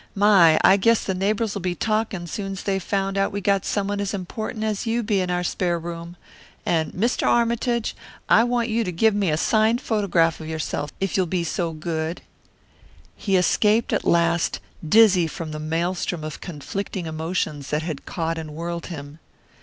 My, I guess the neighbours'll be talking soon's they find out we got someone as important as you be in our spare room and, Mr. Armytage, I want you to give me a signed photograph of yourself, if you'll be so good." He escaped at last, dizzy from the maelstrom of conflicting emotions that had caught and whirled him.